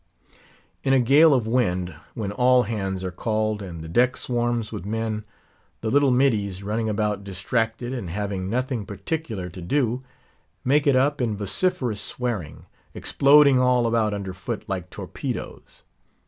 In a gale of wind, when all hands are called and the deck swarms with men, the little "middies" running about distracted and having nothing particular to do, make it up in vociferous swearing; exploding all about under foot like torpedoes.